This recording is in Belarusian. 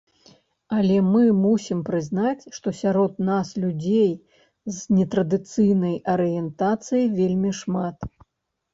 Але мы мусім прызнаць, што сярод нас людзей з нетрадыцыйнай арыентацыяй вельмі шмат.